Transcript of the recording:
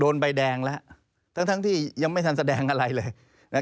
ใบแดงแล้วทั้งที่ยังไม่ทันแสดงอะไรเลย